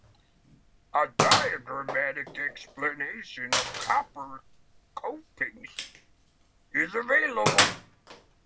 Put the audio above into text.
A diagramatic explanation of copper copings is available.